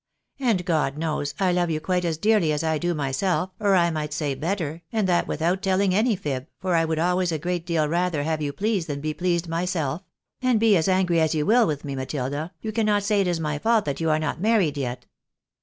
And God knows, I love you quite as dearly as I do myself, or I might say hettei , and that without telling any fib, for I would always a great deal rather have you pleased than be pleased myself ; and, be as angry as you will with me, Matilda, you cannot say it is my fault that you are not married yet."